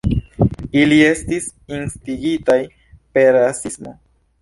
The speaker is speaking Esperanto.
Ili estis instigitaj per rasismo.